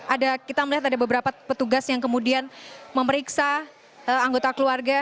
ada kita melihat ada beberapa petugas yang kemudian memeriksa anggota keluarga